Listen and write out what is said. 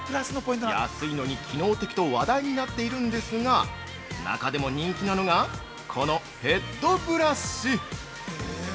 安いのに機能的と話題になっているんですが、中でも人気なのがこのヘッドブラシ！